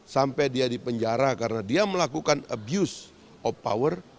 sampai dia di penjara karena dia melakukan abuse of power